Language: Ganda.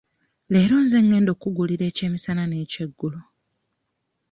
Leero nze ngenda okkugulira ekyemisana n'ekyeggulo.